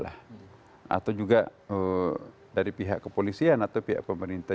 atau juga dari pihak kepolisian atau pihak pemerintah